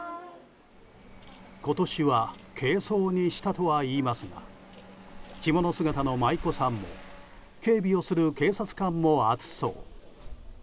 今年は軽装にしたとは言いますが着物姿の舞妓さんも警備をする警察官も暑そう。